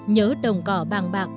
nhớ đồng cỏ bàng bạc